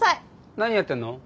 何やってんの？